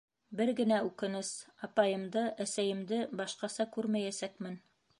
Бер генә үкенес, апайымды, әсәйемде башҡаса күрмәйәсәкмен.